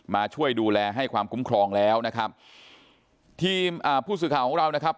มาช่วยดูแลให้ความคุ้มครองแล้วนะครับทีมอ่าผู้สื่อข่าวของเรานะครับ